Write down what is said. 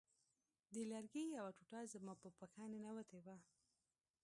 د لرګي یوه ټوټه زما په پښه ننوتې وه